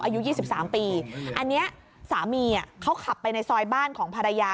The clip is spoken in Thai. อายุ๒๓ปีอันนี้สามีเขาขับไปในซอยบ้านของภรรยา